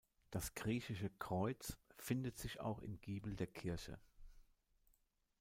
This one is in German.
Das Griechische Kreuz findet sich auch im Giebel der Kirche.